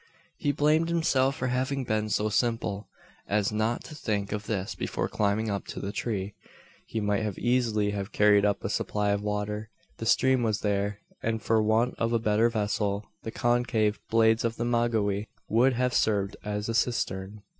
He blamed himself for having been so simple, as not to think of this before climbing up to the tree. He might easily have carried up a supply of water. The stream was there; and for want of a better vessel, the concave blades of the maguey would have served as a cistern.